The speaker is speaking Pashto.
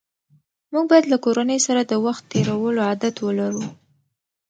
موږ باید له کورنۍ سره د وخت تېرولو عادت ولرو